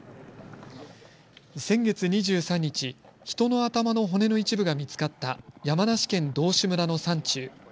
先月２３日、人の頭の骨の一部が見つかった山梨県道志村の山中。